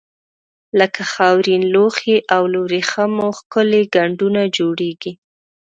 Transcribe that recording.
لکه خاورین لوښي او له وریښمو ښکلي ګنډونه جوړیږي.